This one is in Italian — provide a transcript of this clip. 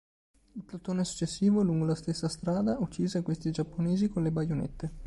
Il plotone successivo, lungo la stessa strada, uccise questi giapponesi con le baionette.